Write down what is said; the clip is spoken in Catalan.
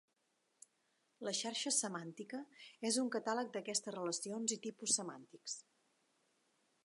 La xarxa semàntica és un catàleg d'aquestes relacions i tipus semàntics.